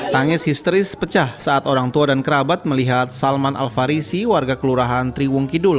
tangis histeris pecah saat orang tua dan kerabat melihat salman al farisi warga kelurahan triwung kidul